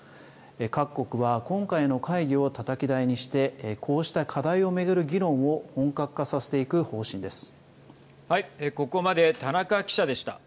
各国は今回の会議をたたき台にしてこうした課題を巡る議論を本格化させていく方針です。